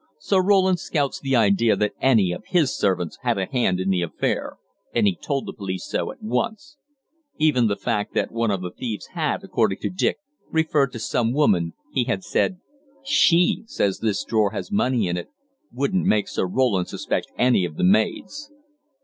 Sir Roland scouts the idea that any of his servants had a hand in the affair, and he told the police so at once. Even the fact that one of the thieves had, according to Dick, referred to some woman he had said, 'She says this drawer has money in it' wouldn't make Sir Roland suspect any of the maids.